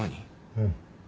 うん。